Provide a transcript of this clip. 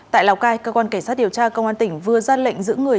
tại lào cai cơ quan cảnh sát điều tra công an tỉnh vừa ra lệnh giữ người